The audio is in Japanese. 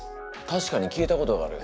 たしかに聞いたことがある。